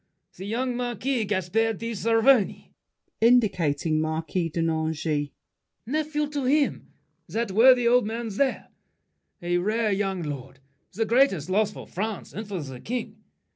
The young marquis, Gaspard de Saverny, [Indicating Marquis de Nangis. Nephew to him, That worthy old man there. A rare young lord; The greatest loss for France and for the King.